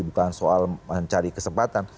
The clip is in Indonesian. bukan soal mencari kesempatan